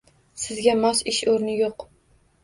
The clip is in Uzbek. Sizga mos ish o'rni yo'q.